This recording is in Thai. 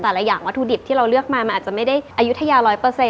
อย่างวัตถุดิบที่เราเลือกมามันอาจจะไม่ได้อายุทยา๑๐๐